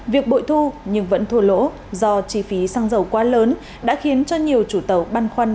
việc bội thu nhưng vẫn thua lỗ do chi phí xăng dầu quá lớn đã khiến cho nhiều chủ tàu băn khoăn